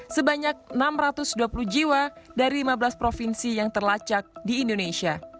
sebanyak enam ratus dua puluh jiwa dari lima belas provinsi yang terlacak di indonesia